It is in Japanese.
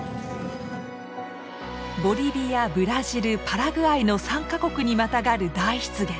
ボリビアブラジルパラグアイの３か国にまたがる大湿原。